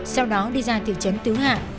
sau đó đi ra thị trấn tứ hạ